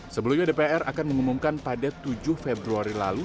sebelumnya dpr akan mengumumkan pada tujuh februari lalu